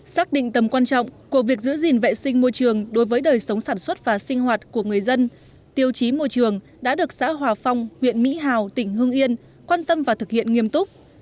xác định tầm quan trọng của việc giữ gìn vệ sinh môi trường đối với đời sống sản xuất và sinh hoạt của người dân tiêu chí môi trường đã được xã hòa phong huyện mỹ hào tỉnh hương yên quan tâm và thực hiện nghiêm túc